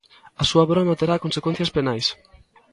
A súa broma terá consecuencias penais.